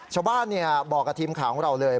ชาวบ้านบอกกับทีมข่าวของเราเลย